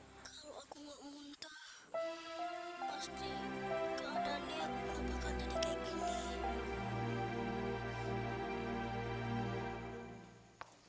kalau aku mau muntah